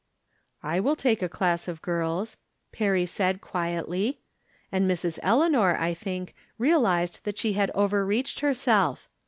"I will take a class of girls," Perry said, quietly. And JMrs. Eleanor, I think, realized that she had overreached herself.